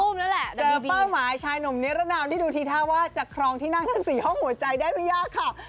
แม้ป้าวหมายชายหนุ่มนิรุนาคครองที่นั่งในสีห้องหัวใจได้จันทาร์จได้เยอะครับ